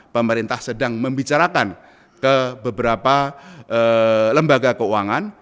pemerintah sedang membicarakan ke beberapa lembaga keuangan